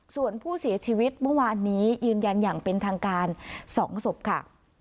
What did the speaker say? ส่วนผู้เสียชีวิตเมื่อวานนี้ยืนยันอย่างเป็นทางการ๒ศพค่ะ